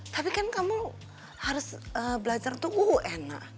tapi kan kamu harus belajar untuk un ma